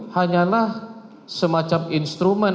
hanyalah semacam instrumen